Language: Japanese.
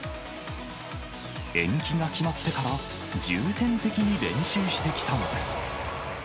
延期が決まってから、重点的に練習してきたのです。